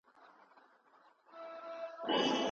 اسدالله خان يو ریښتینی او زړور افغان مشر و.